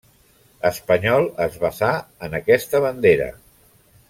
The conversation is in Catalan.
Espanyol es basà en aquesta bandera.